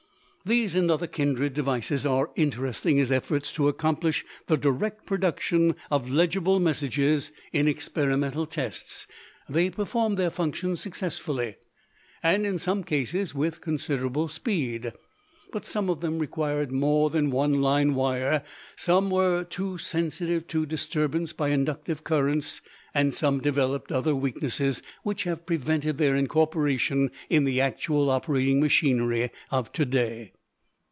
These and other kindred devices are interesting as efforts to accomplish the direct production of legible messages. In experimental tests they performed their function successfully, and in some cases with considerable speed, but some of them required more than one line wire, some were too sensitive to disturbance by inductive currents and some developed other weaknesses which have prevented their incorporation in the actual operating machinery of to day.